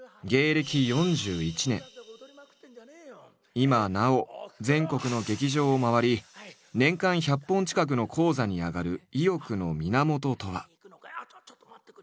今なお全国の劇場を回り年間１００本近くの高座に上がる意欲の源とは？